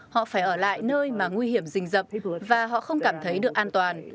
họ phải ở lại nơi mà nguy hiểm rình rập và họ không cảm thấy được an toàn